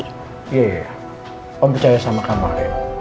iya iya om percaya sama kamal ya